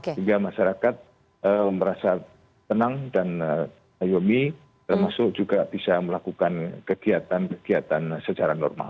sehingga masyarakat merasa tenang dan hayomi termasuk juga bisa melakukan kegiatan kegiatan secara normal